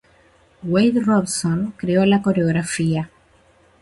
Wade Robson creó la coreografía.